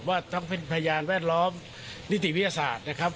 ว่าต้องเป็นพยานแวดล้อมนิติวิทยาศาสตร์นะครับ